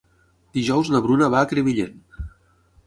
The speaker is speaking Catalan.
Dijous na Bruna va a Crevillent.